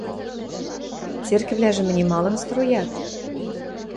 – Церкӹвлӓжӹм ӹне малын строят?